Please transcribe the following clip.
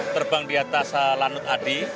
terbang di atas lanut adi